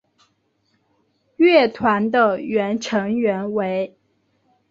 乐团的原成员为。